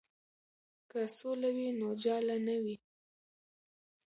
که سوله وي نو جاله نه وي.